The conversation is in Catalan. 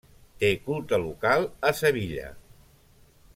Té culte local a Sevilla.